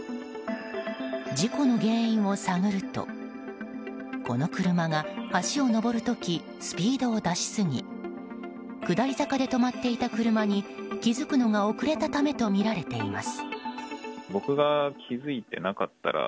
事故の原因を探るとこの車が橋を上る時スピードを出し過ぎ下り坂で止まっていた車に気づくのが遅れたためとみられています。